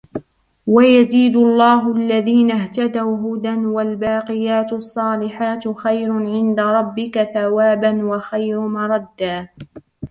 ويزيد الله الذين اهتدوا هدى والباقيات الصالحات خير عند ربك ثوابا وخير مردا